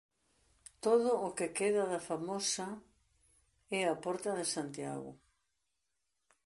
Todo o que queda da Famosa é a Porta de Santiago.